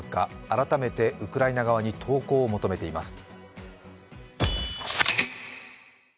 改めてウクライナ側に投降を求めています。